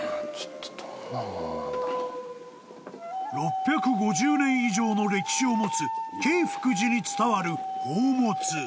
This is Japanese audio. ［６５０年以上の歴史を持つ景福寺に伝わる宝物］